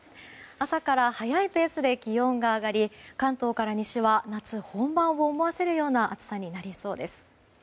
朝から早いペースで気温が上がり関東から西は夏本番を思わせるような暑さになりそうです。